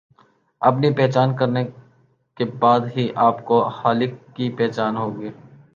اپنی پہچان کرنے کے بعد ہی آپ کو خالق کی پہچان ہوگی